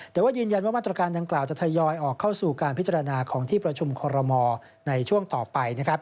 แต่ว่ายืนยันว่ามาตรการดังกล่าวจะทยอยออกเข้าสู่การพิจารณาของที่ประชุมคอรมอลในช่วงต่อไปนะครับ